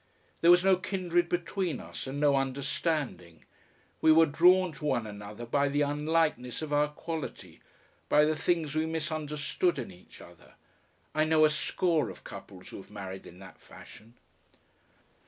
There was no kindred between us and no understanding. We were drawn to one another by the unlikeness of our quality, by the things we misunderstood in each other. I know a score of couples who have married in that fashion.